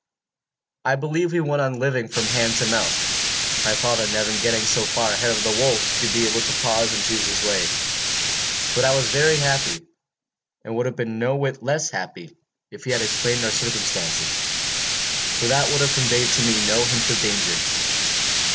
"I believe we went on living from hand to mouth, my father never getting so far ahead of the wolf as to be able to pause and choose his way. But I was very happy, and would have been no whit less happy if he had explained our circumstances, for that would have conveyed to me no hint of danger.